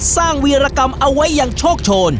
สร้างเวียรกรรมเอาไว้อย่างโชคโชน